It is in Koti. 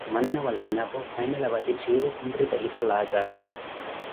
manna wa Zanapo, kweemela vattitthiiru, khunripelisa Laazaru.